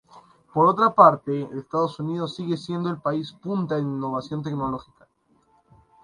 Por otra parte, Estados Unidos sigue siendo el país punta en innovación tecnológica.